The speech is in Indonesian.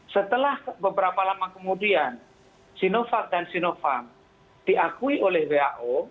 setelah beberapa lama kemudian sinovac dan sinovac diakui oleh who